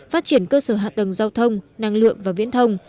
phát triển cơ sở hạ tầng giao thông năng lượng và viễn thông